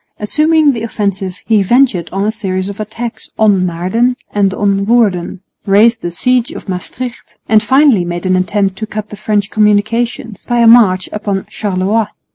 Assuming the offensive, he ventured on a series of attacks on Naarden and on Woerden, raised the siege of Maestricht, and finally made an attempt to cut the French communications by a march upon Charleroi.